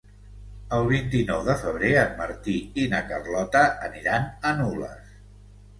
El vint-i-nou de febrer en Martí i na Carlota aniran a Nules.